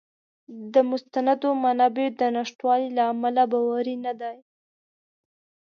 د مستندو منابعو د نشتوالي له امله باوری نه دی.